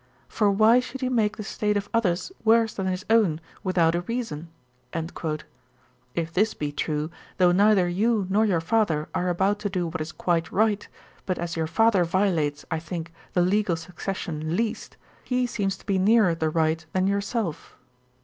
For why should he make the state of others worse than his own, without a reason?" If this be true, though neither you nor your father are about to do what is quite right, but as your father violates (I think) the legal succession least, he seems to be nearer the right than yourself.